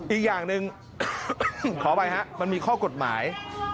อีกอย่างหนึ่งขออภัยฮะมันมีข้อกฎหมาย